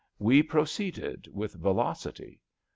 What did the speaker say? We proceeded with velocity.